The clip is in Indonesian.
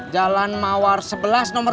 jalan mawar sebelas nomor dua